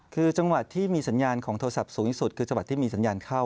คือจังหวัดที่มีสัญญาณของโทรศัพท์สูงสุดคือจังหวัดที่มีสัญญาณเข้า